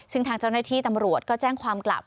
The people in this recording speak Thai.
ซึ่งทางเจ้าหน้าที่ตำรวจก็แจ้งความกลับ